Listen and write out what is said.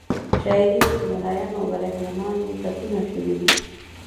په شاعري کې په ملایانو او برهمنانو ټکونه شوي دي.